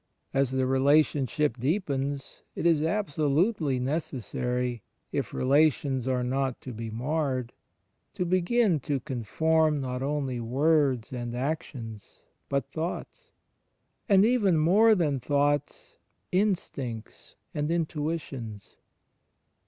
As the relationship deepens, it is absolutely necessary, if relations are not to be marred, to begin to conform not only words and actions, but thoughts; and even more than thoughts — instincts and intuitions.